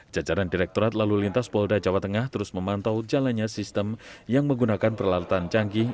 jajaran direkturat lalu lintas polda jawa tengah terus memantau jalannya sistem yang menggunakan perlalatan canggih